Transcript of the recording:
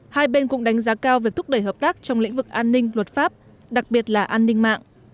hai bên cũng đánh giá cao việc thúc đẩy hợp tác trong lĩnh vực an ninh luật pháp đặc biệt là an ninh mạng